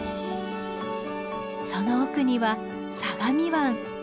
その奥には相模湾。